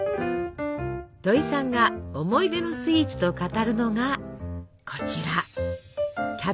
土井さんが思い出のスイーツと語るのがこちら。